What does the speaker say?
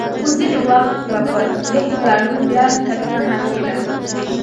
خو ځیني وخت به پر دغو پلانونو بیا کتنه هم کېده